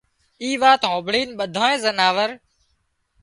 اي وات هانڀۯينَ ٻڌائي زناور